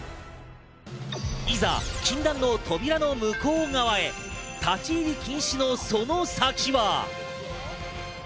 いざ禁断のトビラの向こう側へ、立ち入り禁止のその先は。